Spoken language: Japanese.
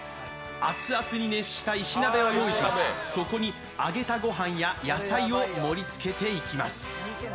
熱々に熱した石鍋を用意してそこに揚げたごはんや野菜を盛り付けていきます。